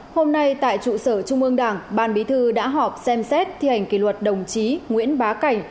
hôm nay tại trụ sở trung ương đảng ban bí thư đã họp xem xét thi hành kỷ luật đồng chí nguyễn bá cảnh